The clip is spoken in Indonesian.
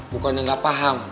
bukannya gak paham